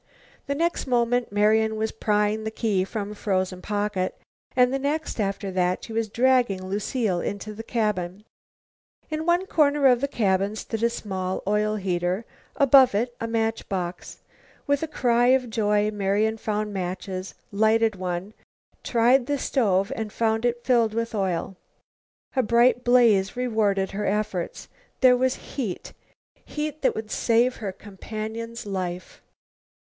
The next moment Marian was prying the key from a frozen pocket, and the next after that she was dragging Lucile into the cabin. In one corner of the cabin stood a small oil heater. Above it was a match box. With a cry of joy Marian found matches, lighted one, tried the stove, found it filled with oil. A bright blaze rewarded her efforts. There was heat, heat that would save her companion's life.